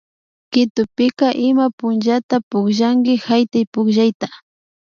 Quitopika ima punllata pukllanki haytaypukllayta